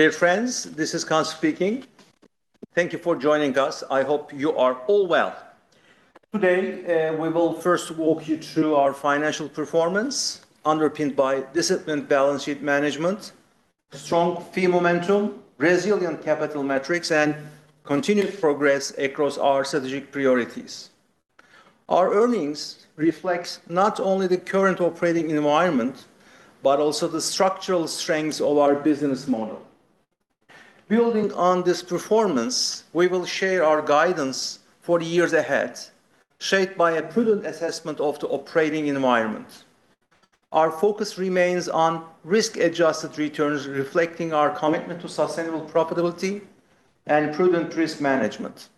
Dear friends, this is Kaan speaking. Thank you for joining us. I hope you are all well. Today, we will first walk you through our financial performance, underpinned by disciplined balance sheet management, strong fee momentum, resilient capital metrics, and continued progress across our strategic priorities. Our earnings reflects not only the current operating environment, but also the structural strengths of our business model. Building on this performance, we will share our guidance for the years ahead, shaped by a prudent assessment of the operating environment. Our focus remains on risk-adjusted returns, reflecting our commitment to sustainable profitability and prudent risk management.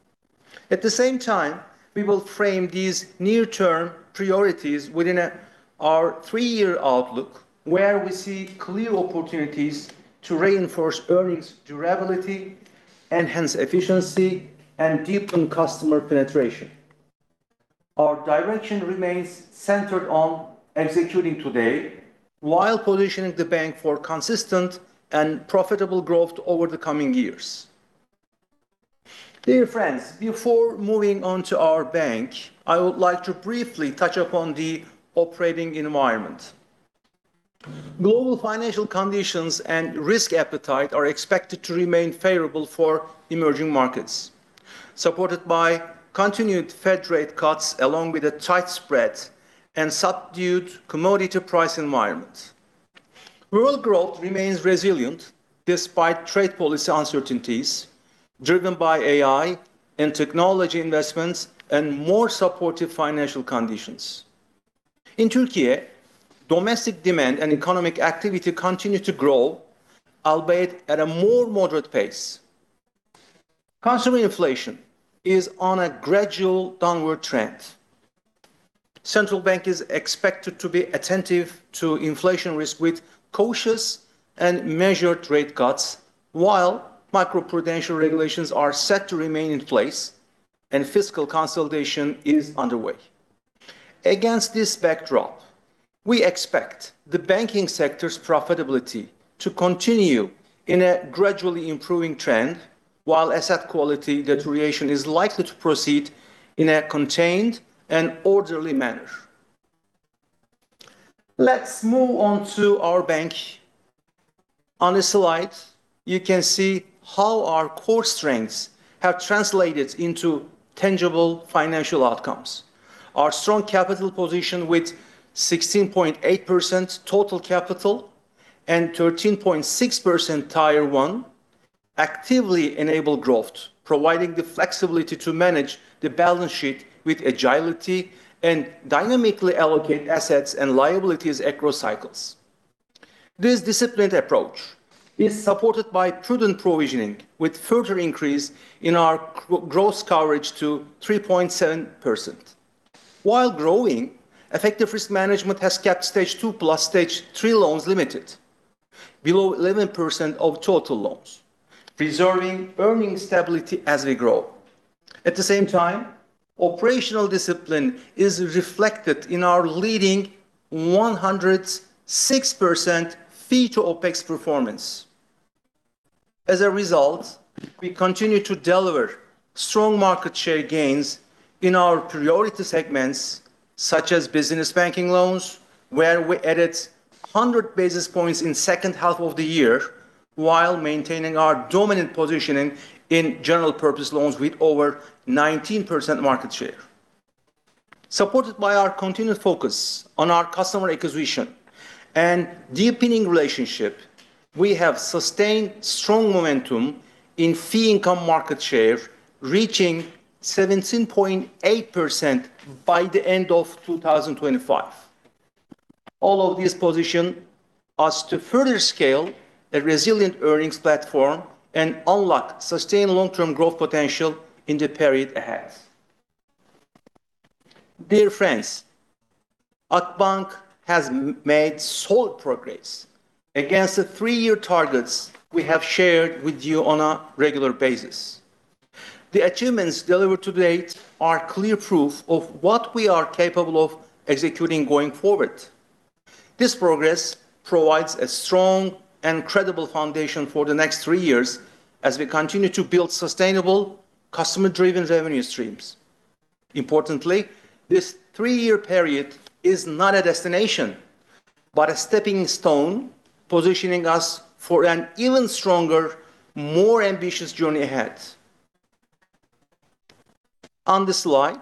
At the same time, we will frame these near-term priorities within our three-year outlook, where we see clear opportunities to reinforce earnings durability, enhance efficiency, and deepen customer penetration. Our direction remains centered on executing today, while positioning the bank for consistent and profitable growth over the coming years. Dear friends, before moving on to our bank, I would like to briefly touch upon the operating environment. Global financial conditions and risk appetite are expected to remain favorable for emerging markets, supported by continued Fed rate cuts, along with a tight spread and subdued commodity price environment. World growth remains resilient despite trade policy uncertainties, driven by AI and technology investments, and more supportive financial conditions. In Türkiye, domestic demand and economic activity continue to grow, albeit at a more moderate pace. Consumer inflation is on a gradual downward trend. Central Bank is expected to be attentive to inflation risk with cautious and measured rate cuts, while macroprudential regulations are set to remain in place and fiscal consolidation is underway. Against this backdrop, we expect the banking sector's profitability to continue in a gradually improving trend, while asset quality deterioration is likely to proceed in a contained and orderly manner. Let's move on to our bank. On this slide, you can see how our core strengths have translated into tangible financial outcomes. Our strong capital position, with 16.8% total capital and 13.6% Tier 1, actively enable growth, providing the flexibility to manage the balance sheet with agility and dynamically allocate assets and liabilities across cycles. This disciplined approach is supported by prudent provisioning, with further increase in our gross coverage to 3.7%. While growing, effective risk management has kept Stage 2 + Stage 3 loans limited, below 11% of total loans, preserving earnings stability as we grow. At the same time, operational discipline is reflected in our leading 106% fee-to-OpEx performance. As a result, we continue to deliver strong market share gains in our priority segments, such as business banking loans, where we added 100 basis points in second half of the year, while maintaining our dominant positioning in general purpose loans with over 19% market share. Supported by our continued focus on our customer acquisition and deepening relationship, we have sustained strong momentum in fee income market share, reaching 17.8% by the end of 2025. All of this position us to further scale a resilient earnings platform and unlock sustained long-term growth potential in the period ahead. Dear friends, Akbank has made solid progress against the three-year targets we have shared with you on a regular basis. The achievements delivered to date are clear proof of what we are capable of executing going forward. This progress provides a strong and credible foundation for the next three years as we continue to build sustainable, customer-driven revenue streams. Importantly, this three-year period is not a destination, but a stepping stone, positioning us for an even stronger, more ambitious journey ahead. On this slide,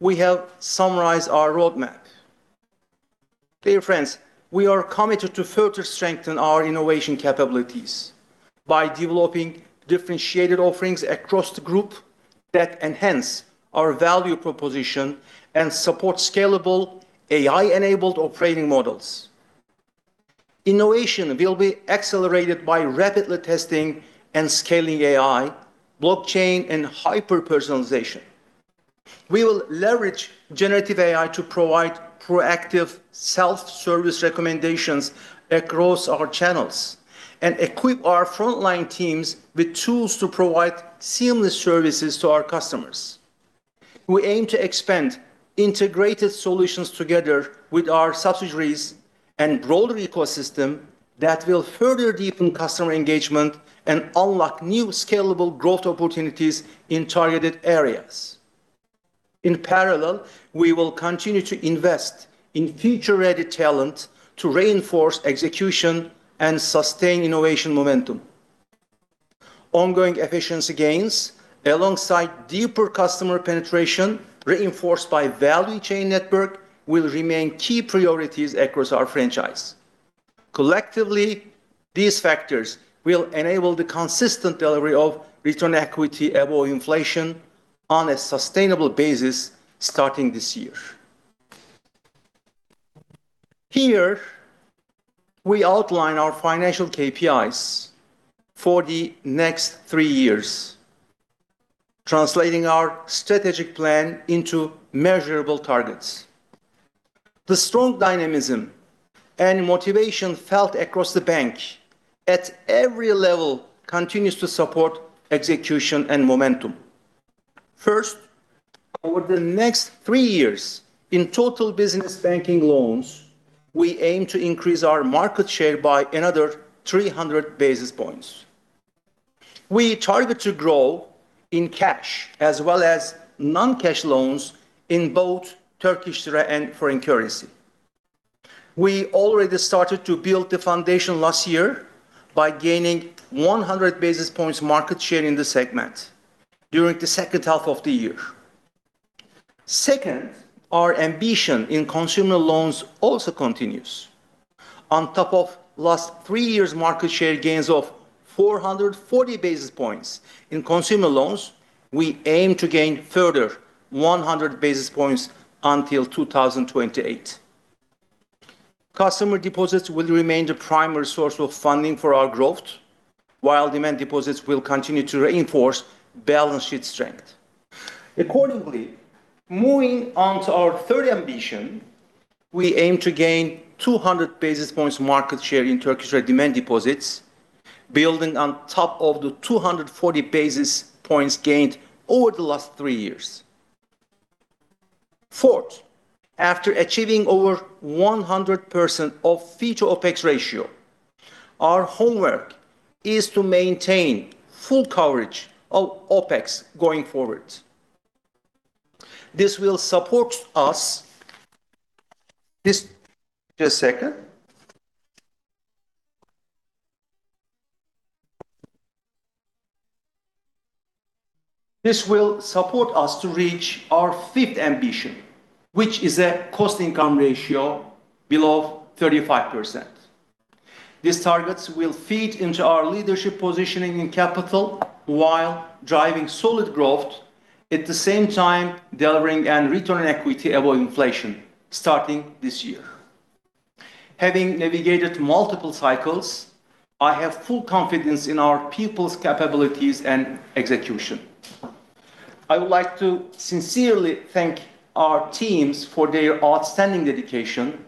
we have summarized our roadmap. Dear friends, we are committed to further strengthen our innovation capabilities by developing differentiated offerings across the group that enhance our value proposition and support scalable, AI-enabled operating models. Innovation will be accelerated by rapidly testing and scaling AI, blockchain, and hyper-personalization. We will leverage generative AI to provide proactive self-service recommendations across our channels, and equip our frontline teams with tools to provide seamless services to our customers. We aim to expand integrated solutions together with our subsidiaries and broader ecosystem that will further deepen customer engagement and unlock new scalable growth opportunities in targeted areas. In parallel, we will continue to invest in future-ready talent to reinforce execution and sustain innovation momentum. Ongoing efficiency gains, alongside deeper customer penetration, reinforced by value chain network, will remain key priorities across our franchise. Collectively, these factors will enable the consistent delivery of return on equity above inflation on a sustainable basis starting this year. Here, we outline our financial KPIs for the next three years, translating our strategic plan into measurable targets. The strong dynamism and motivation felt across the bank at every level continues to support execution and momentum. First, over the next three years, in total business banking loans, we aim to increase our market share by another 300 basis points. We target to grow in cash as well as non-cash loans in both Turkish lira and foreign currency. We already started to build the foundation last year by gaining 100 basis points market share in the segment during the second half of the year. Second, our ambition in consumer loans also continues. On top of last three years' market share gains of 440 basis points in consumer loans, we aim to gain further 100 basis points until 2028. Customer deposits will remain the primary source of funding for our growth, while demand deposits will continue to reinforce balance sheet strength. Accordingly, moving on to our third ambition, we aim to gain 200 basis points market share in Turkish lira demand deposits, building on top of the 240 basis points gained over the last three years. Fourth, after achieving over 100% of fee-to-OpEx ratio, our homework is to maintain full coverage of OpEx going forward. This will support us—Just, just a second. This will support us to reach our fifth ambition, which is a cost-income ratio below 35%. These targets will feed into our leadership positioning in capital while driving solid growth, at the same time delivering a return on equity above inflation starting this year. Having navigated multiple cycles, I have full confidence in our people's capabilities and execution. I would like to sincerely thank our teams for their outstanding dedication,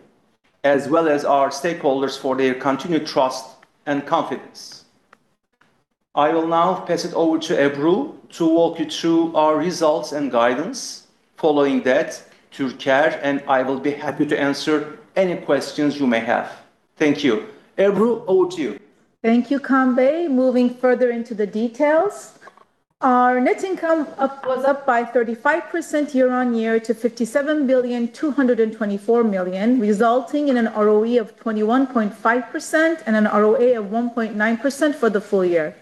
as well as our stakeholders for their continued trust and confidence. I will now pass it over to Ebru to walk you through our results and guidance. Following that, to Çağrı, and I will be happy to answer any questions you may have. Thank you. Ebru, over to you. Thank you, Kaan. Moving further into the details, our net income up, was up by 35% year-on-year to 57,224 million, resulting in an ROE of 21.5% and an ROA of 1.9% for the full year.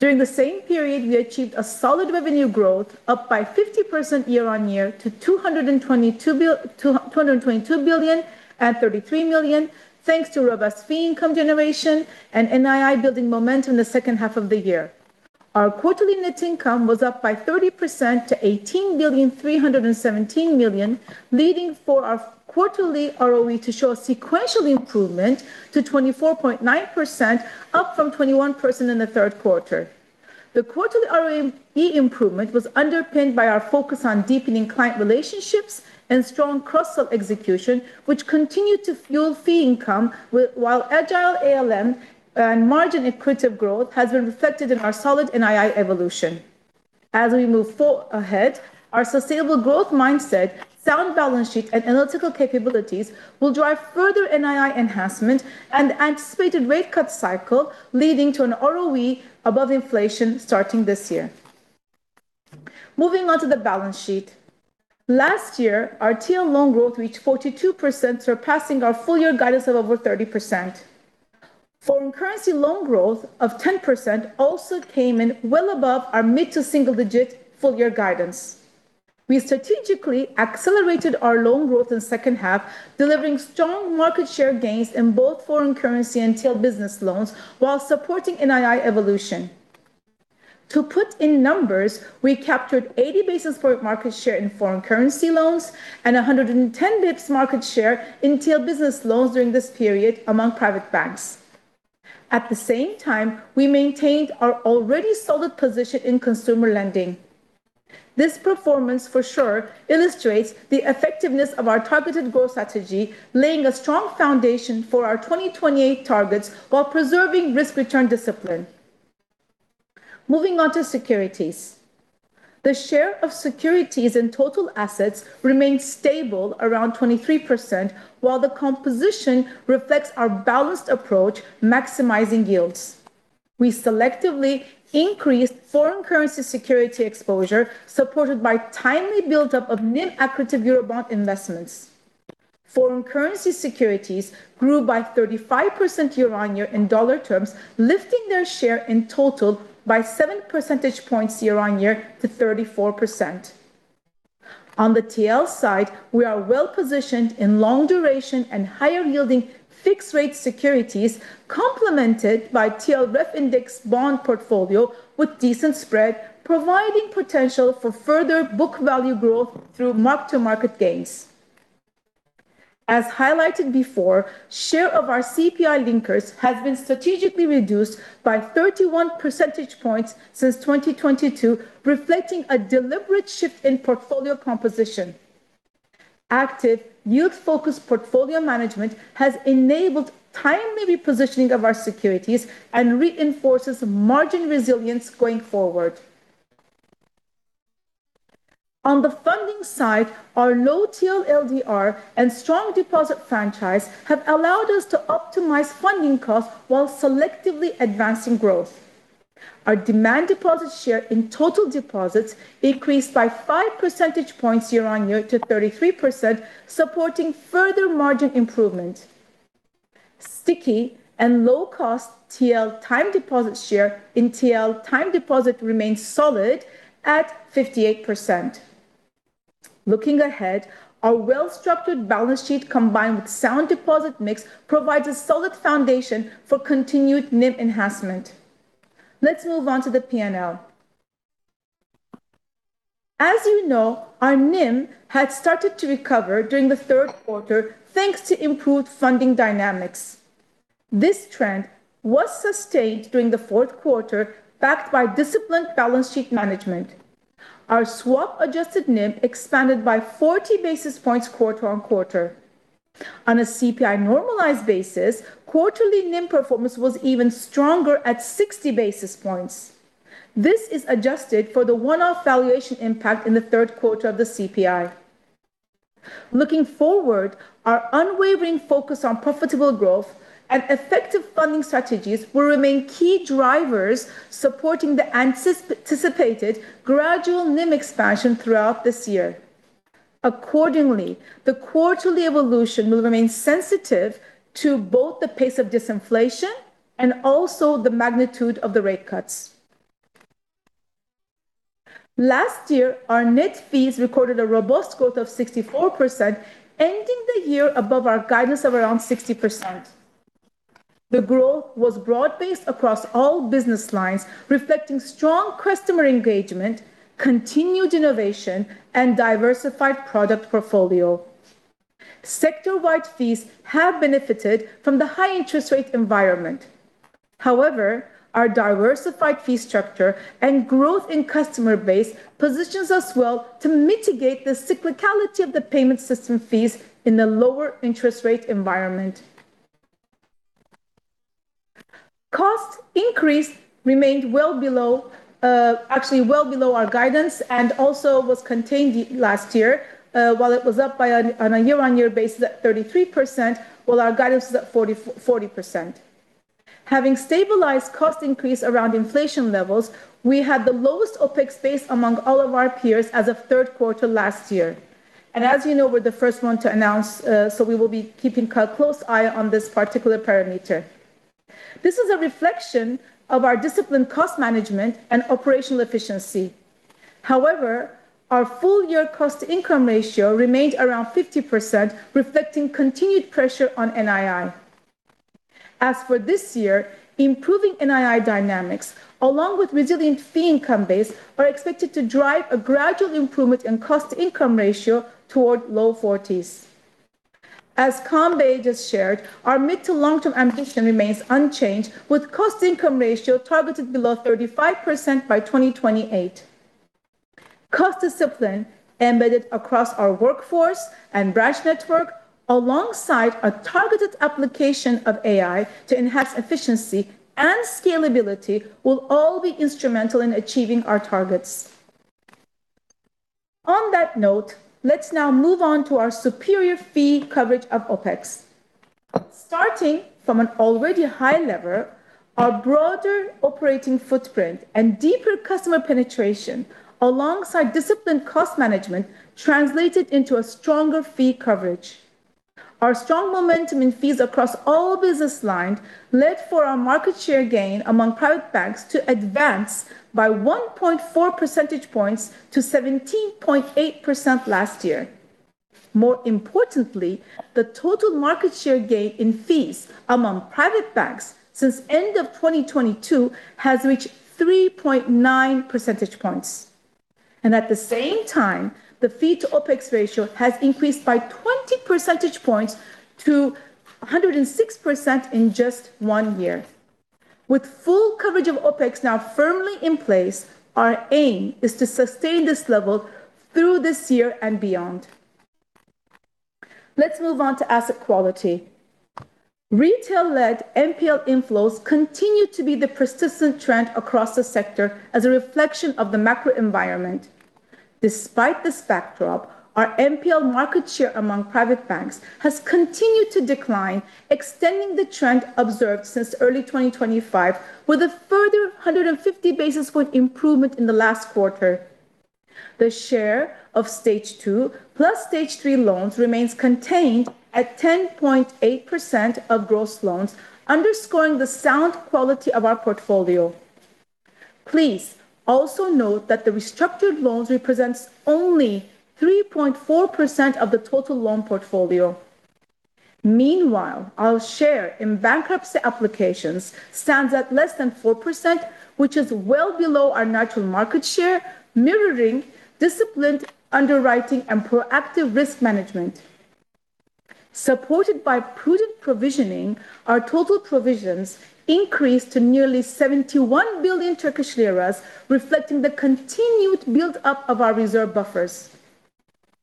During the same period, we achieved a solid revenue growth, up by 50% year-on-year to 222,033 million, thanks to robust fee income generation and NII building momentum in the second half of the year. Our quarterly net income was up by 30% to 18,317 million, leading for our quarterly ROE to show a sequential improvement to 24.9%, up from 21% in the third quarter. The quarterly ROE improvement was underpinned by our focus on deepening client relationships and strong cross-sell execution, which continued to fuel fee income, while agile ALM and margin accretive growth has been reflected in our solid NII evolution. As we move ahead, our sustainable growth mindset, sound balance sheet, and analytical capabilities will drive further NII enhancement and anticipated rate cut cycle, leading to an ROE above inflation starting this year. Moving on to the balance sheet. Last year, our TL loan growth reached 42%, surpassing our full-year guidance of over 30%. Foreign currency loan growth of 10% also came in well above our mid- to single-digit full-year guidance. We strategically accelerated our loan growth in the second half, delivering strong market share gains in both foreign currency and TL business loans while supporting NII evolution. To put in numbers, we captured 80 basis points market share in foreign currency loans and 110 basis points market share in TL business loans during this period among private banks. At the same time, we maintained our already solid position in consumer lending. This performance, for sure, illustrates the effectiveness of our targeted growth strategy, laying a strong foundation for our 2028 targets while preserving risk-return discipline. Moving on to securities. The share of securities in total assets remained stable around 23%, while the composition reflects our balanced approach, maximizing yields. We selectively increased foreign currency security exposure, supported by timely buildup of NIM-accretive Eurobond investments. Foreign currency securities grew by 35% year-on-year in dollar terms, lifting their share in total by 7 percentage points year-on-year to 34%. On the TL side, we are well-positioned in long duration and higher-yielding fixed-rate securities, complemented by TLREF-indexed bond portfolio with decent spread, providing potential for further book value growth through mark-to-market gains. As highlighted before, share of our CPI linkers has been strategically reduced by 31 percentage points since 2022, reflecting a deliberate shift in portfolio composition. Active, yield-focused portfolio management has enabled timely repositioning of our securities and reinforces margin resilience going forward. On the funding side, our low TL LDR and strong deposit franchise have allowed us to optimize funding costs while selectively advancing growth. Our demand deposit share in total deposits increased by 5 percentage points year-on-year to 33%, supporting further margin improvement. Sticky and low-cost TL time deposit share in TL time deposit remains solid at 58%. Looking ahead, our well-structured balance sheet, combined with sound deposit mix, provides a solid foundation for continued NIM enhancement. Let's move on to the P&L. As you know, our NIM had started to recover during the third quarter, thanks to improved funding dynamics. This trend was sustained during the fourth quarter, backed by disciplined balance sheet management. Our swap-adjusted NIM expanded by 40 basis points quarter-on-quarter. On a CPI-normalized basis, quarterly NIM performance was even stronger at 60 basis points. This is adjusted for the one-off valuation impact in the third quarter of the CPI. Looking forward, our unwavering focus on profitable growth and effective funding strategies will remain key drivers, supporting the anticipated gradual NIM expansion throughout this year. Accordingly, the quarterly evolution will remain sensitive to both the pace of disinflation and also the magnitude of the rate cuts. Last year, our net fees recorded a robust growth of 64%, ending the year above our guidance of around 60%. The growth was broad-based across all business lines, reflecting strong customer engagement, continued innovation, and diversified product portfolio. Sector-wide fees have benefited from the high interest rate environment. However, our diversified fee structure and growth in customer base positions us well to mitigate the cyclicality of the payment system fees in the lower interest rate environment. Cost increase remained well below, actually well below our guidance and also was contained last year, while it was up by, on a year-over-year basis at 33%, while our guidance is at 40%. Having stabilized cost increase around inflation levels, we had the lowest OpEx base among all of our peers as of third quarter last year. And as you know, we're the first one to announce, so we will be keeping a close eye on this particular parameter. This is a reflection of our disciplined cost management and operational efficiency. However, our full-year cost-to-income ratio remained around 50%, reflecting continued pressure on NII. As for this year, improving NII dynamics, along with resilient fee income base, are expected to drive a gradual improvement in cost-to-income ratio toward low 40s. As Kaan just shared, our mid- to long-term ambition remains unchanged, with cost-to-income ratio targeted below 35% by 2028. Cost discipline embedded across our workforce and branch network, alongside a targeted application of AI to enhance efficiency and scalability, will all be instrumental in achieving our targets. On that note, let's now move on to our superior fee coverage of OpEx. Starting from an already high level, our broader operating footprint and deeper customer penetration, alongside disciplined cost management, translated into a stronger fee coverage. Our strong momentum in fees across all business lines led for our market share gain among private banks to advance by 1.4 percentage points to 17.8% last year. More importantly, the total market share gain in fees among private banks since end of 2022 has reached 3.9 percentage points. And at the same time, the fee-to-OpEx ratio has increased by 20 percentage points to 106% in just one year. With full coverage of OpEx now firmly in place, our aim is to sustain this level through this year and beyond. Let's move on to asset quality. Retail-led NPL inflows continue to be the persistent trend across the sector as a reflection of the macro environment. Despite this backdrop, our NPL market share among private banks has continued to decline, extending the trend observed since early 2025, with a further 150 basis point improvement in the last quarter. The share of Stage 2 + Stage 3 loans remains contained at 10.8% of gross loans, underscoring the sound quality of our portfolio. Please also note that the restructured loans represents only 3.4% of the total loan portfolio. Meanwhile, our share in bankruptcy applications stands at less than 4%, which is well below our natural market share, mirroring disciplined underwriting and proactive risk management. Supported by prudent provisioning, our total provisions increased to nearly 71 billion Turkish lira, reflecting the continued build-up of our reserve buffers.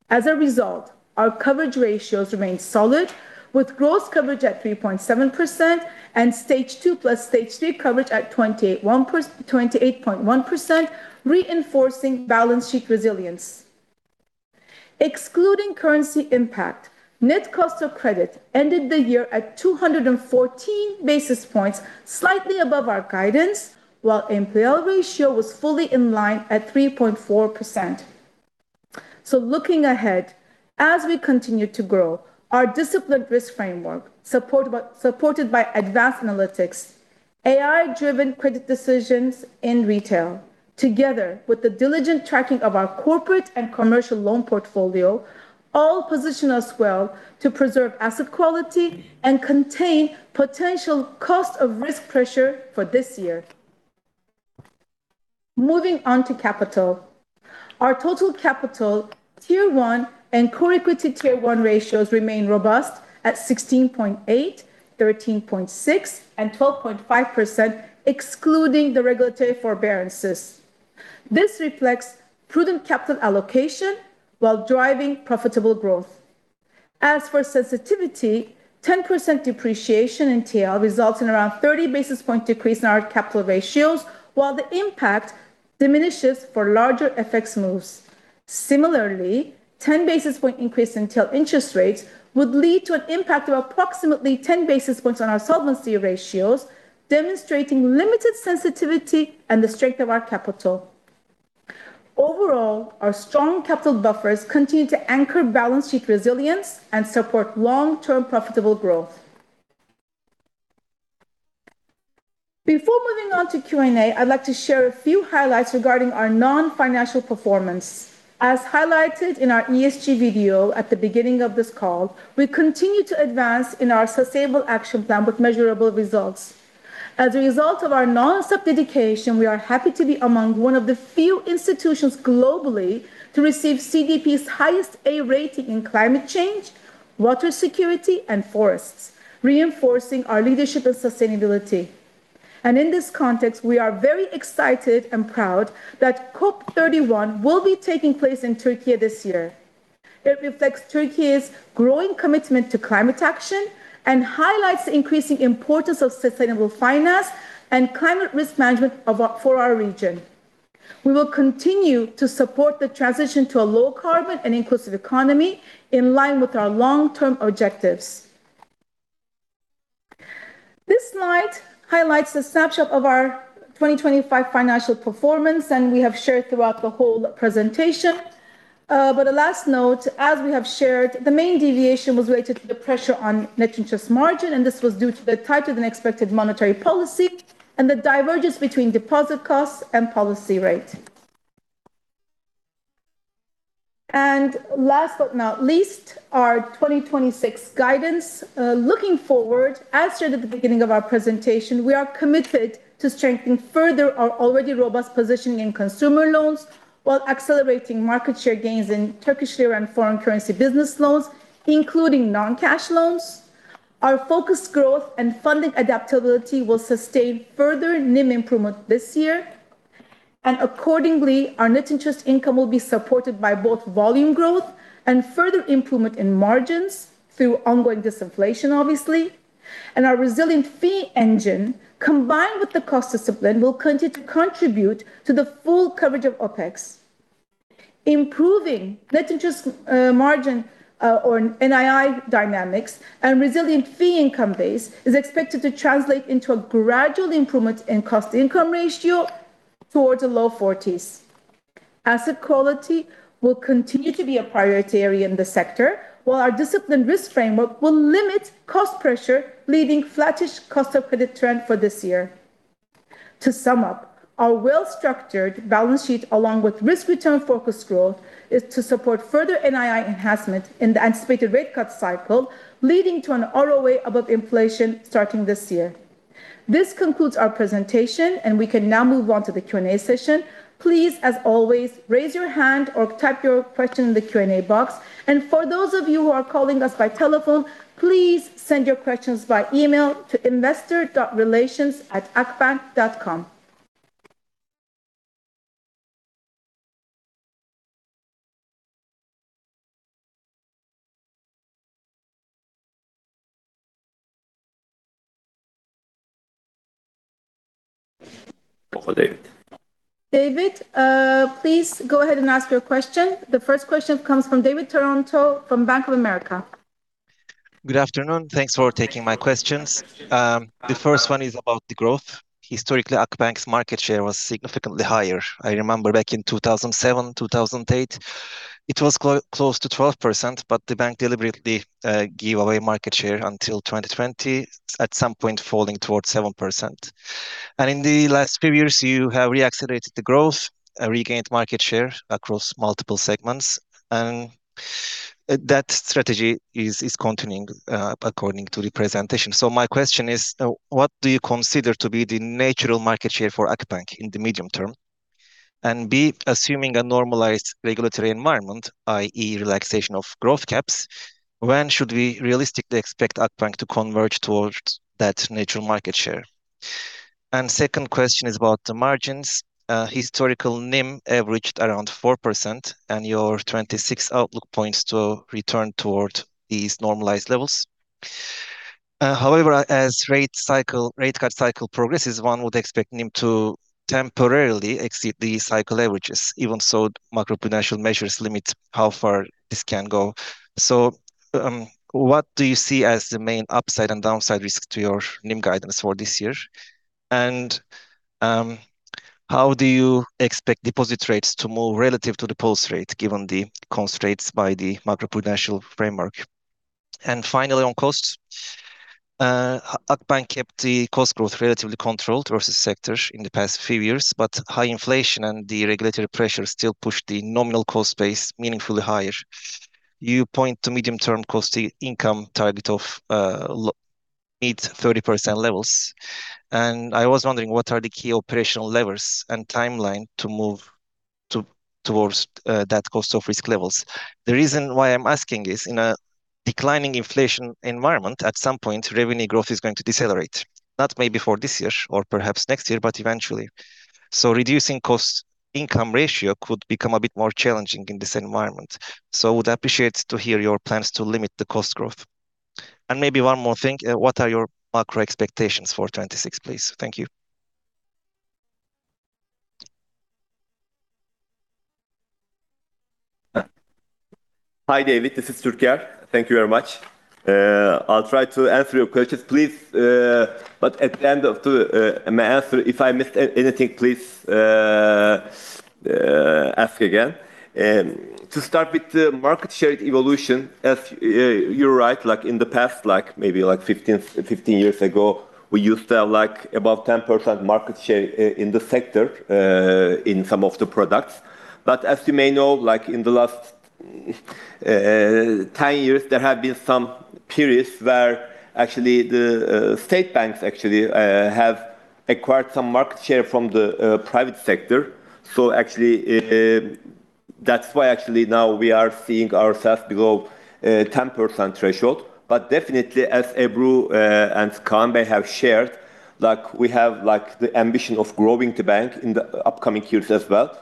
As a result, our coverage ratios remain solid, with gross coverage at 3.7% and Stage 2 + Stage 3 coverage at 21%--28.1%, reinforcing balance sheet resilience. Excluding currency impact, net cost of credit ended the year at 214 basis points, slightly above our guidance, while NPL ratio was fully in line at 3.4%. So looking ahead, as we continue to grow, our disciplined risk framework, supported by advanced analytics, AI-driven credit decisions in retail, together with the diligent tracking of our corporate and commercial loan portfolio, all position us well to preserve asset quality and contain potential cost of risk pressure for this year. Moving on to capital. Our total capital, Tier 1 and Common Equity Tier 1 ratios remain robust at 16.8%, 13.6%, and 12.5%, excluding the regulatory forbearances. This reflects prudent capital allocation while driving profitable growth. As for sensitivity, 10% depreciation in TL results in around 30 basis point decrease in our capital ratios, while the impact diminishes for larger FX moves. Similarly, 10 basis point increase in TL interest rates would lead to an impact of approximately 10 basis points on our solvency ratios, demonstrating limited sensitivity and the strength of our capital. Overall, our strong capital buffers continue to anchor balance sheet resilience and support long-term profitable growth. Before moving on to Q&A, I'd like to share a few highlights regarding our non-financial performance. As highlighted in our ESG video at the beginning of this call, we continue to advance in our sustainable action plan with measurable results. As a result of our non-stop dedication, we are happy to be among one of the few institutions globally to receive CDP's highest A rating in climate change, water security, and forests, reinforcing our leadership and sustainability. In this context, we are very excited and proud that COP 31 will be taking place in Türkiye this year. It reflects Türkiye's growing commitment to climate action and highlights the increasing importance of sustainable finance and climate risk management for our region. We will continue to support the transition to a low-carbon and inclusive economy in line with our long-term objectives. This slide highlights the snapshot of our 2025 financial performance, and we have shared throughout the whole presentation. But a last note, as we have shared, the main deviation was related to the pressure on net interest margin, and this was due to the tighter-than-expected monetary policy and the divergence between deposit costs and policy rate. Last but not least, our 2026 guidance. Looking forward, as shared at the beginning of our presentation, we are committed to strengthening further our already robust positioning in consumer loans while accelerating market share gains in Turkish lira and foreign currency business loans, including non-cash loans. Our focused growth and funding adaptability will sustain further NIM improvement this year, and accordingly, our net interest income will be supported by both volume growth and further improvement in margins through ongoing disinflation, obviously. Our resilient fee engine, combined with the cost discipline, will contribute to the full coverage of OpEx. Improving net interest margin or NII dynamics and resilient fee income base is expected to translate into a gradual improvement in cost-income ratio towards the low 40s. Asset quality will continue to be a priority area in the sector, while our disciplined risk framework will limit cost pressure, leaving flattish cost of credit trend for this year. To sum up, our well-structured balance sheet, along with risk-return-focused growth, is to support further NII enhancement in the anticipated rate cut cycle, leading to an ROE above inflation starting this year. This concludes our presentation, and we can now move on to the Q&A session. Please, as always, raise your hand or type your question in the Q&A box. And for those of you who are calling us by telephone, please send your questions by email to investor.relations@akbank.com. David, please go ahead and ask your question. The first question comes from David Taranto from Bank of America. Good afternoon. Thanks for taking my questions. The first one is about the growth. Historically, Akbank's market share was significantly higher. I remember back in 2007, 2008, it was close to 12%, but the bank deliberately gave away market share until 2020, at some point falling towards 7%. And in the last few years, you have reaccelerated the growth, regained market share across multiple segments, and that strategy is continuing according to the presentation. So my question is, what do you consider to be the natural market share for Akbank in the medium term? And B, assuming a normalized regulatory environment, i.e., relaxation of growth caps, when should we realistically expect Akbank to converge towards that natural market share? And second question is about the margins. Historical NIM averaged around 4%, and your 2026 outlook points to return toward these normalized levels. However, as rate cycle, rate cut cycle progresses, one would expect NIM to temporarily exceed the cycle averages. Even so, macroprudential measures limit how far this can go. So, what do you see as the main upside and downside risk to your NIM guidance for this year? And, how do you expect deposit rates to move relative to the policy rate, given the constraints by the macroprudential framework? And finally, on costs, Akbank kept the cost growth relatively controlled versus sector in the past few years, but high inflation and the regulatory pressure still pushed the nominal cost base meaningfully higher. You point to medium-term cost-to-income target of low-mid 30% levels, and I was wondering, what are the key operational levers and timeline to move towards that cost of risk levels? The reason why I'm asking is, in a declining inflation environment, at some point, revenue growth is going to decelerate. Not maybe for this year or perhaps next year, but eventually. So reducing cost-income ratio could become a bit more challenging in this environment. So would appreciate to hear your plans to limit the cost growth. And maybe one more thing, what are your macro expectations for 2026, please? Thank you. Hi, David, this is Türker. Thank you very much. I'll try to answer your questions, please, but at the end of my answer, if I missed anything, please ask again. To start with the market share evolution, as you're right, like in the past, like maybe like 15 years ago, we used to have like about 10% market share in the sector, in some of the products. But as you may know, like in the last 10 years, there have been some periods where actually the state banks actually have acquired some market share from the private sector. So actually, that's why actually now we are seeing ourselves below 10% threshold. But definitely as Ebru and Kaan have shared, like we have like the ambition of growing the bank in the upcoming years as well.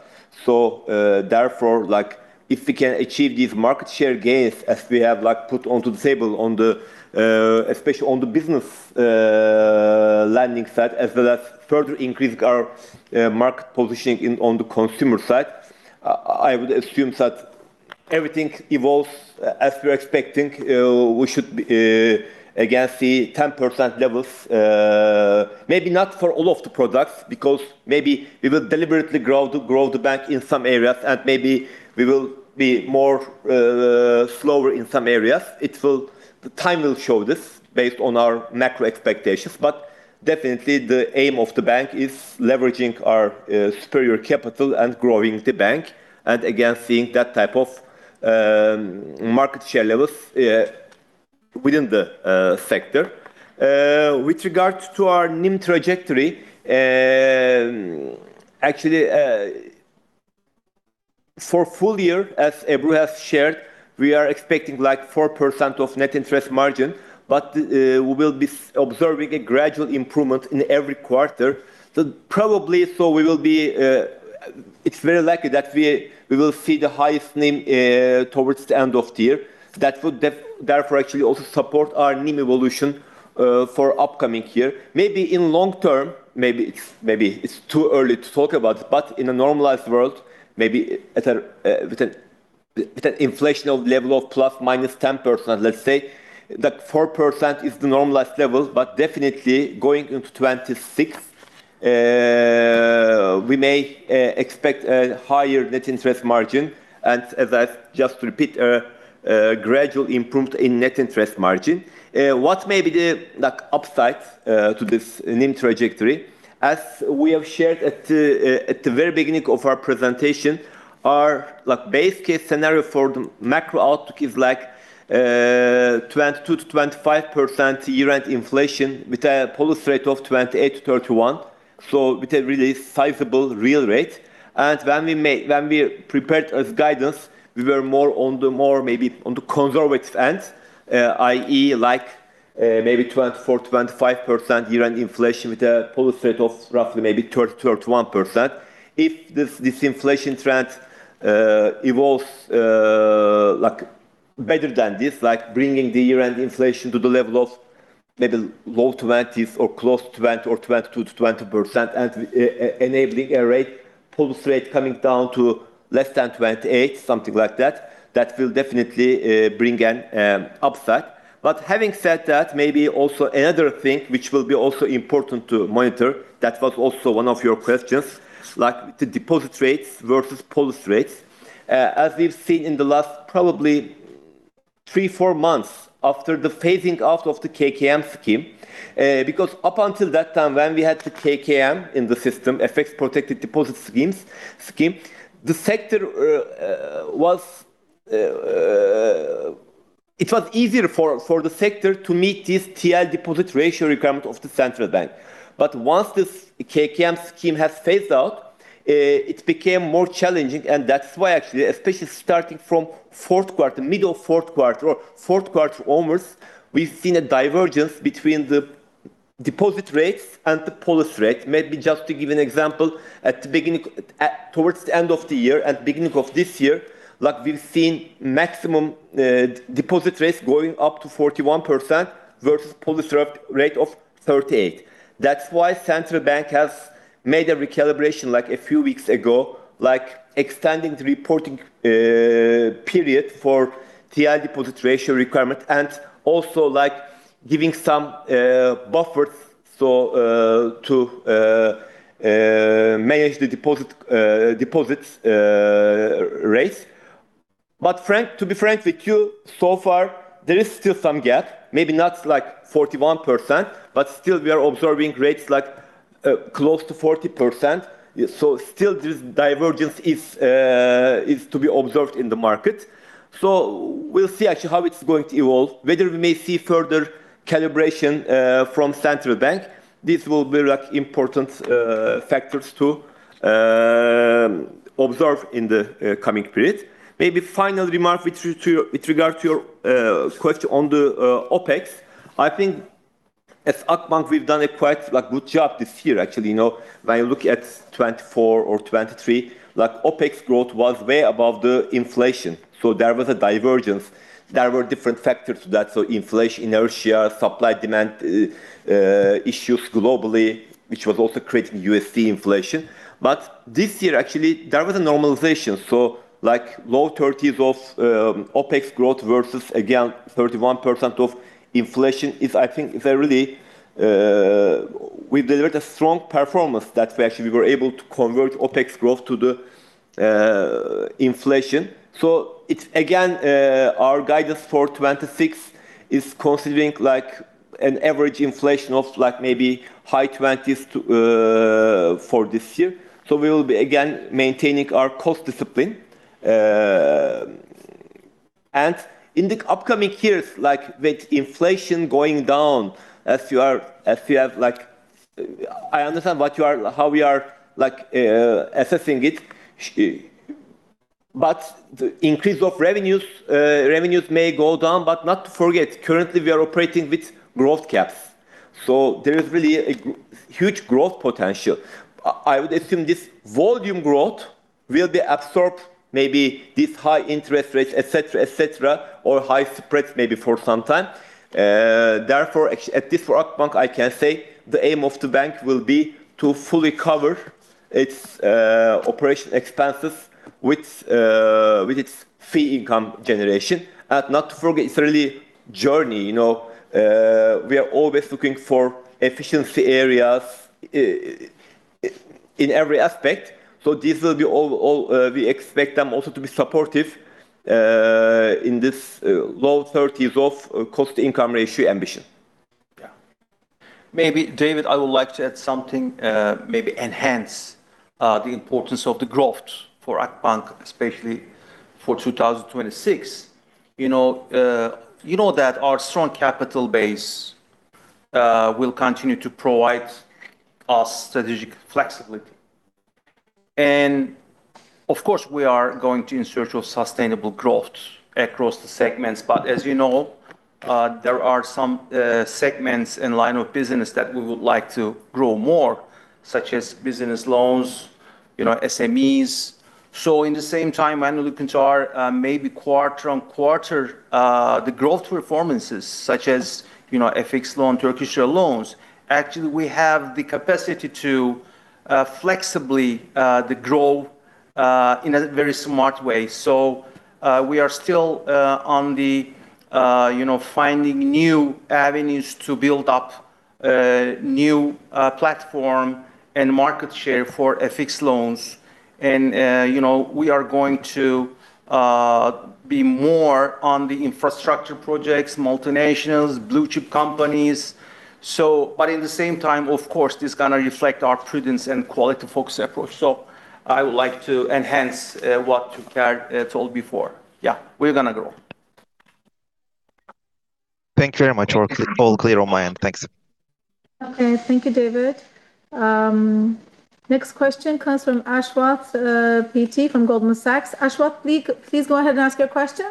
So, therefore, like, if we can achieve these market share gains as we have, like, put onto the table on the, especially on the business, lending side, as well as further increasing our, market positioning in, on the consumer side, I would assume that everything evolves as we're expecting. We should, again, see 10% levels, maybe not for all of the products, because maybe we will deliberately grow the, grow the bank in some areas, and maybe we will be more, slower in some areas. It will-- The time will show this based on our macro expectations, but definitely the aim of the bank is leveraging our superior capital and growing the bank, and again, seeing that type of market share levels within the sector. With regards to our NIM trajectory, actually, for full year, as Ebru has shared, we are expecting like 4% of net interest margin, but we will be observing a gradual improvement in every quarter. So probably, so we will be, it's very likely that we, we will see the highest NIM towards the end of the year. That would therefore, actually also support our NIM evolution for upcoming year. Maybe in long term, maybe it's, maybe it's too early to talk about, but in a normalized world, maybe at a, with a, with an inflation of level of ±10%, let's say, that 4% is the normalized level, but definitely going into 2026, we may, expect a higher net interest margin. And as I just repeat, a, gradual improvement in net interest margin. What may be the, like, upsides, to this NIM trajectory? As we have shared at, at the very beginning of our presentation, our, like, base case scenario for the macro outlook is like, 22%-25% year-end inflation, with a policy rate of 28%-31%, so with a really sizable real rate. When we made, when we prepared as guidance, we were more on the more maybe on the conservative end, i.e., maybe 24%-25% year-end inflation with a policy rate of roughly maybe 30%-31%. If this inflation trend evolves like better than this, like bringing the year-end inflation to the level of maybe low twenties or close to 20% or 22%-20%, and enabling a policy rate coming down to less than 28%, something like that, that will definitely bring an upside. But having said that, maybe also another thing which will be also important to monitor, that was also one of your questions, like the deposit rates versus policy rates. As we've seen in the last probably three, four months after the phasing out of the KKM scheme, because up until that time when we had the KKM in the system, FX-protected deposit scheme, the sector was. It was easier for the sector to meet this TL deposit ratio requirement of the central bank. But once this KKM scheme has phased out, it became more challenging, and that's why actually, especially starting from fourth quarter, middle fourth quarter or fourth quarter onwards, we've seen a divergence between the deposit rates and the policy rate. Maybe just to give an example, towards the end of the year and beginning of this year, like, we've seen maximum deposit rates going up to 41% versus policy rate of 38%. That's why Central Bank has made a recalibration, like, a few weeks ago, like extending the reporting period for TL deposit ratio requirement, and also, like, giving some buffers, so to manage the deposits rates. But to be frank with you, so far there is still some gap. Maybe not like 41%, but still we are observing rates like close to 40%. So still this divergence is to be observed in the market. So we'll see actually how it's going to evolve, whether we may see further calibration from Central Bank. These will be, like, important factors to observe in the coming period. Maybe final remark with regard to your question on the OpEx. I think at Akbank, we've done a quite, like, good job this year, actually. You know, when you look at 2024 or 2023, like OpEx growth was way above the inflation, so there was a divergence. There were different factors to that, so inflation, inertia, supply, demand, issues globally, which was also creating USD inflation. But this year, actually, there was a normalization. So like low 30s OpEx growth versus, again, 31% inflation is, I think, is a really, we delivered a strong performance that way. Actually, we were able to convert OpEx growth to the inflation. So it's, again, our guidance for 2026 is considering, like, an average inflation of, like, maybe high 20s to for this year. So we will be again maintaining our cost discipline. And in the upcoming years, like, with inflation going down, as you are, as you have, like-- I understand what you are. How we are, like, assessing it. But the increase of revenues, revenues may go down, but not to forget, currently we are operating with growth caps, so there is really a huge growth potential. I would assume this volume growth will be absorbed, maybe these high interest rates, et cetera, et cetera, or high spreads, maybe for some time. Therefore, at this, for Akbank, I can say the aim of the bank will be to fully cover its operating expenses with with its fee income generation. And not to forget, it's a really journey, you know, we are always looking for efficiency areas in every aspect. So this will be all we expect them also to be supportive in this low thirties of cost-to-income ratio ambition. Yeah. Maybe, David, I would like to add something, maybe enhance the importance of the growth for Akbank, especially for 2026. You know, you know that our strong capital base will continue to provide us strategic flexibility. And of course, we are going to in search of sustainable growth across the segments, but as you know, there are some segments in line of business that we would like to grow more, such as business loans, you know, SMEs. So in the same time, when we look into our, maybe quarter on quarter, the growth performances, such as, you know, FX loan, Turkish lira loans, actually, we have the capacity to flexibly to grow in a very smart way. So, we are still on the, you know, finding new avenues to build up a new platform and market share for FX loans. And, you know, we are going to be more on the infrastructure projects, multinationals, blue-chip companies. So, but in the same time, of course, this is gonna reflect our prudence and quality-focused approach. So I would like to enhance what Türker told before. Yeah, we're gonna grow. Thank you very much. All clear, all clear on my end. Thanks. Okay, thank you, David. Next question comes from Aswath P T from Goldman Sachs. Aswath, please, please go ahead and ask your question.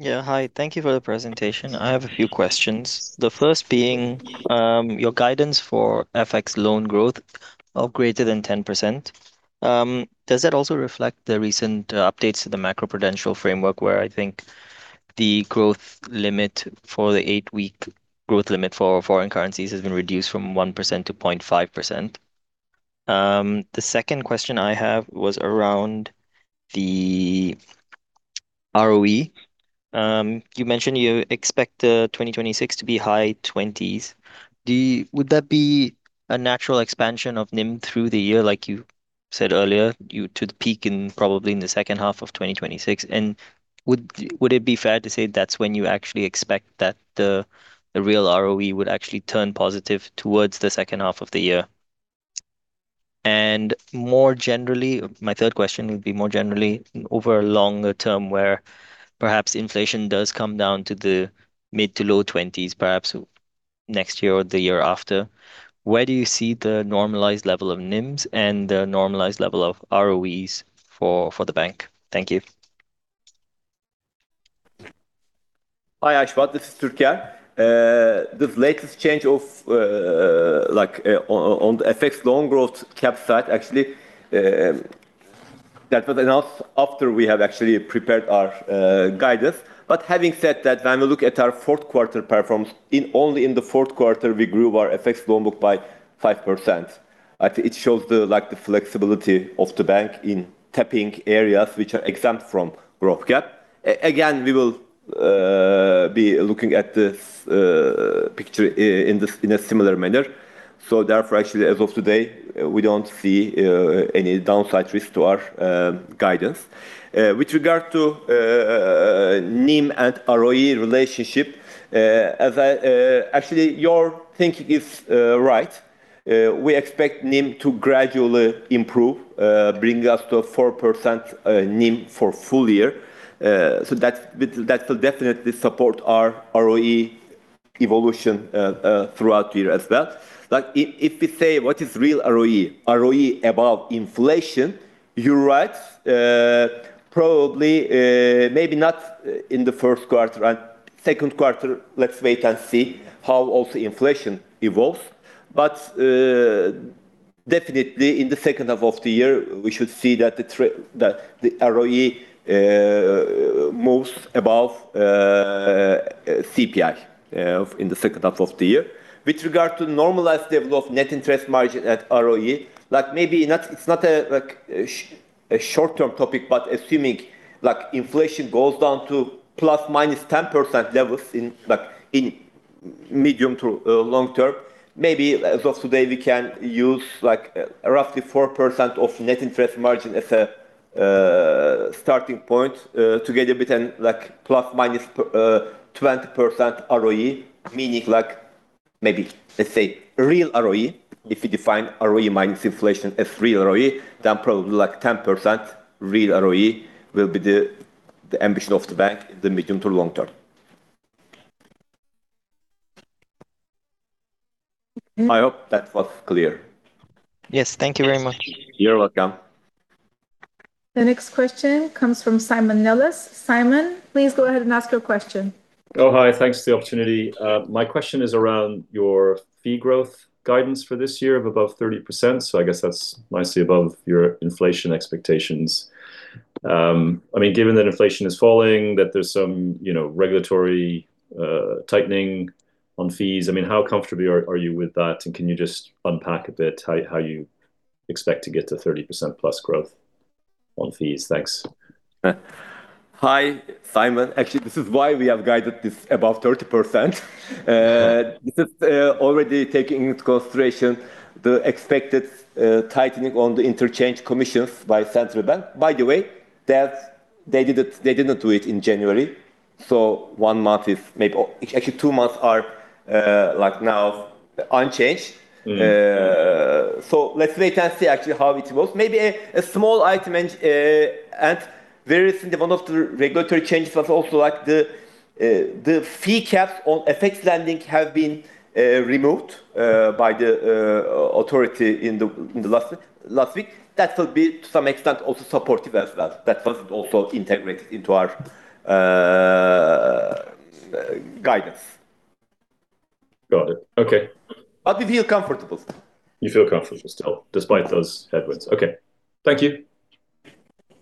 Yeah, hi. Thank you for the presentation. I have a few questions. The first being your guidance for FX loan growth of greater than 10%. Does that also reflect the recent updates to the macroprudential framework, where I think the growth limit for the eight-week growth limit for foreign currencies has been reduced from 1% to 0.5%? The second question I have was around the ROE. You mentioned you expect 2026 to be high 20s. Would that be a natural expansion of NIM through the year, like you said earlier, due to the peak in probably the second half of 2026? And would it be fair to say that's when you actually expect that the real ROE would actually turn positive towards the second half of the year? More generally, my third question would be more generally over a longer term, where perhaps inflation does come down to the mid- to low-20s, perhaps next year or the year after, where do you see the normalized level of NIMs and the normalized level of ROEs for, for the bank? Thank you. Hi, Aswath, this is Türker. This latest change of, like, on the FX loan growth cap side, actually, that was announced after we have actually prepared our guidance. But having said that, when we look at our fourth quarter performance, in only the fourth quarter, we grew our FX loan book by 5%. I think it shows the, like, the flexibility of the bank in tapping areas which are exempt from growth cap. Again, we will be looking at this picture in this, in a similar manner. So therefore, actually, as of today, we don't see any downside risk to our guidance. With regard to NIM and ROE relationship, as I--actually, your thinking is right. We expect NIM to gradually improve, bring us to a 4% NIM for full year. So that will definitely support our ROE evolution throughout the year as well. Like, if we say, what is real ROE? ROE above inflation, you're right. Probably, maybe not in the first quarter and second quarter, let's wait and see how also inflation evolves. But definitely in the second half of the year, we should see that the ROE moves above CPI in the second half of the year. With regard to the normalized level of net interest margin at ROE, like maybe not, it's not a short-term topic, but assuming like inflation goes down to ±10% levels in medium to long term, maybe as of today, we can use like roughly 4% of net interest margin as a starting point together with like ±20% ROE. Meaning like maybe, let's say, real ROE, if you define ROE minus inflation as real ROE, then probably like 10% real ROE will be the ambition of the bank in the medium to long term. I hope that was clear. Yes, thank you very much. You're welcome. The next question comes from Simon Nellis. Simon, please go ahead and ask your question. Oh, hi. Thanks for the opportunity. My question is around your fee growth guidance for this year of above 30%. So I guess that's nicely above your inflation expectations. I mean, given that inflation is falling, that there's some, you know, regulatory tightening on fees, I mean, how comfortable are you with that? And can you just unpack a bit how you expect to get to +30% growth on fees? Thanks. Hi, Simon. Actually, this is why we have guided this above 30%. Sure. This is already taking into consideration the expected tightening on the interchange commissions by Central Bank. By the way, they didn't do it in January, so one month is maybe--actually, two months are like now unchanged. So let's wait and see actually how it goes. Maybe a small item, and very recently, one of the regulatory changes was also like the fee caps on FX lending have been removed by the authority in the last week. That will be, to some extent, also supportive as well. That was also integrated into our guidance. Got it. Okay. But we feel comfortable. You feel comfortable still, despite those headwinds? Okay. Thank you.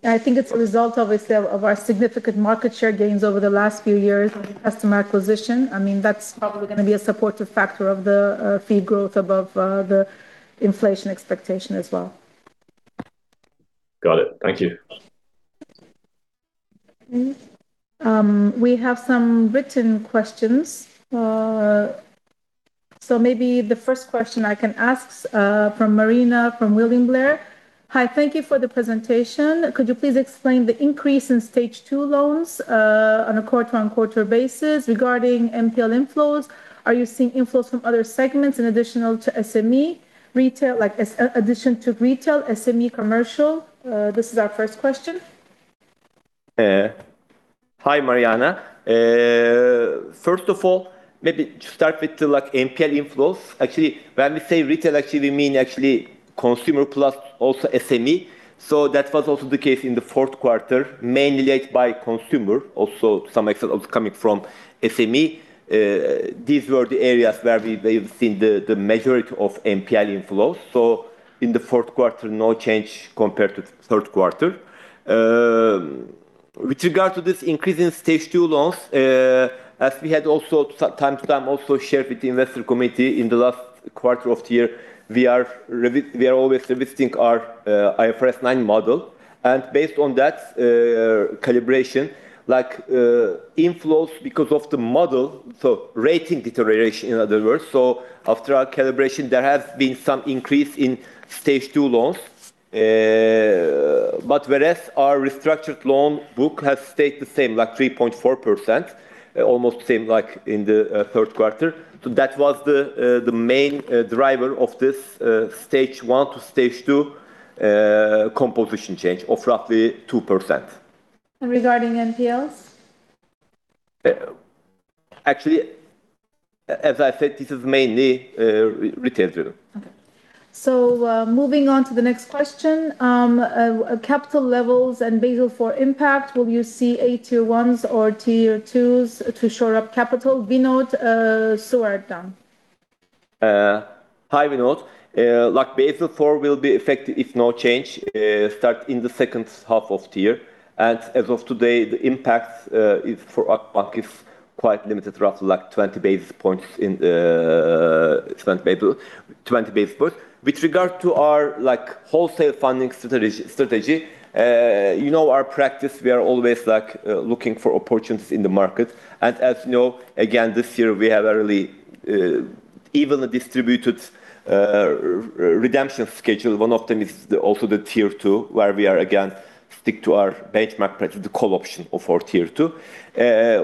I think it's a result, obviously, of our significant market share gains over the last few years in customer acquisition. I mean, that's probably gonna be a supportive factor of the fee growth above the inflation expectation as well. Got it. Thank you. We have some written questions. So maybe the first question I can ask from Mariana, from William Blair: "Hi, thank you for the presentation. Could you please explain the increase in Stage 2 loans on a quarter-on-quarter basis regarding NPL inflows? Are you seeing inflows from other segments in addition to SME, retail, like, addition to retail, SME commercial?" This is our first question. Hi, Mariana. First of all, maybe to start with the, like, NPL inflows. Actually, when we say retail, actually, we mean actually consumer plus also SME. So that was also the case in the fourth quarter, mainly led by consumer, also some extent also coming from SME. These were the areas where we've seen the majority of NPL inflows. So in the fourth quarter, no change compared to third quarter. With regard to this increase in Stage 2 loans, as we had also from time to time shared with the investor community in the last quarter of the year, we are always revisiting our IFRS 9 model, and based on that, calibration, like, inflows because of the model, so rating deterioration, in other words. So after our calibration, there has been some increase in Stage 2 loans. But whereas our restructured loan book has stayed the same, like 3.4%, almost same like in the third quarter. So that was the main driver of this Stage 1 to Stage 2 composition change of roughly 2%. Regarding NPLs? Actually, as I said, this is mainly retail driven. Okay. So, moving on to the next question, capital levels and Basel IV impact, will you see AT1s or Tier 2s to shore up capital? Vinod Suvarna. Hi, Vinod. Like, Basel IV will be effective if no change, start in the second half of the year. And as of today, the impact is for Akbank is quite limited, roughly like 20 basis points in, 20 basis points--20 basis points. With regard to our, like, wholesale funding strategy, you know, our practice, we are always, like, looking for opportunities in the market. And as you know, again, this year, we have a really, evenly distributed, redemption schedule. One of them is also the Tier 2, where we are, again, stick to our benchmark price, the call option of our Tier 2.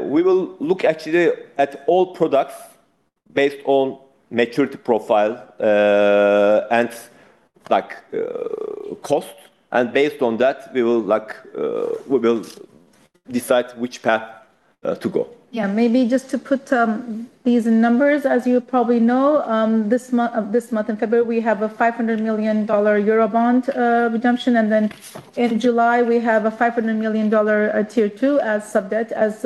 We will look actually at all products based on maturity profile, and like, cost, and based on that, we will like, we will decide which path to go. Yeah, maybe just to put these in numbers, as you probably know, this month in February, we have a $500 million Eurobond redemption, and then in July, we have a $500 million Tier 2 as subdebt. As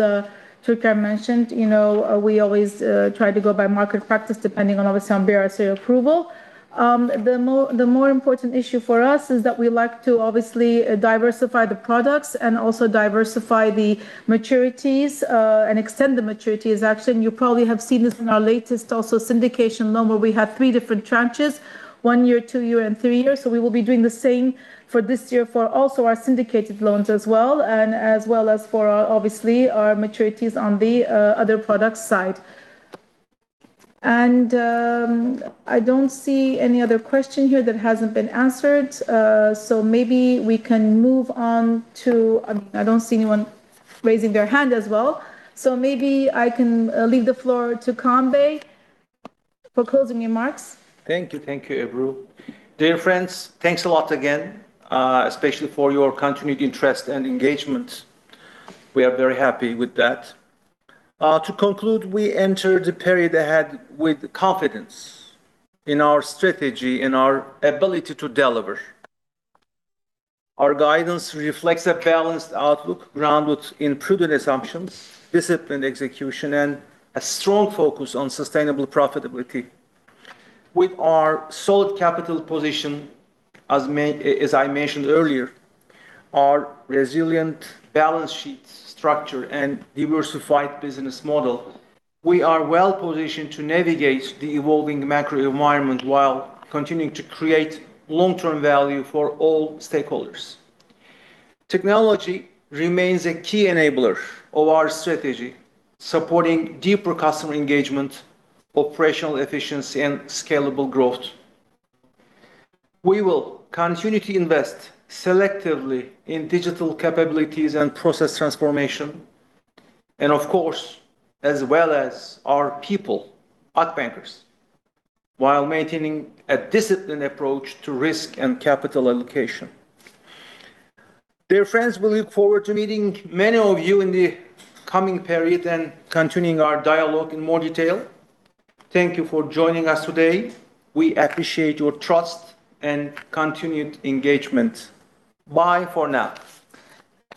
Türker mentioned, you know, we always try to go by market practice, depending on, obviously, on BRSA approval. The more, the more important issue for us is that we like to obviously diversify the products and also diversify the maturities, and extend the maturities. Actually, you probably have seen this in our latest also syndication loan, where we have three different tranches: one year, two year, and three years. So we will be doing the same for this year for also our syndicated loans as well, and as well as for, obviously, our maturities on the other products side. And I don't see any other question here that hasn't been answered, so maybe we can move on to--I don't see anyone raising their hand as well, so maybe I can leave the floor to Kaan for closing remarks. Thank you. Thank you, Ebru. Dear friends, thanks a lot again, especially for your continued interest and engagement. We are very happy with that. To conclude, we enter the period ahead with confidence in our strategy and our ability to deliver. Our guidance reflects a balanced outlook grounded in prudent assumptions, disciplined execution, and a strong focus on sustainable profitability. With our solid capital position, as I mentioned earlier, our resilient balance sheet structure, and diversified business model, we are well positioned to navigate the evolving macro environment while continuing to create long-term value for all stakeholders. Technology remains a key enabler of our strategy, supporting deeper customer engagement, operational efficiency, and scalable growth. We will continue to invest selectively in digital capabilities and process transformation and of course, as well as our people, Akbankers, while maintaining a disciplined approach to risk and capital allocation. Dear friends, we look forward to meeting many of you in the coming period and continuing our dialogue in more detail. Thank you for joining us today. We appreciate your trust and continued engagement. Bye for now.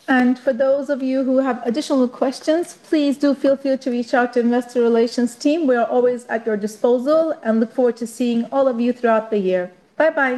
For those of you who have additional questions, please do feel free to reach out to Investor Relations team. We are always at your disposal and look forward to seeing all of you throughout the year. Bye-bye.